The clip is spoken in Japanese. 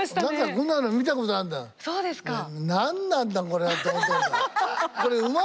何かこんなの見たことあるんだ。